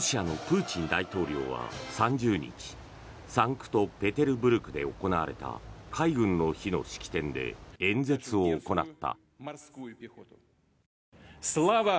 ロシアのプーチン大統領は３０日サンクトペテルブルクで行われた海軍の日の式典で演説を行った。